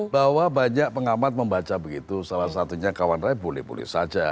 bahwa banyak pengamat membaca begitu salah satunya kawan raya boleh boleh saja